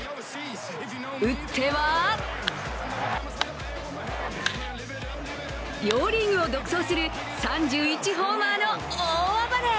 打っては両リーグを独走する３１ホーマーの大暴れ。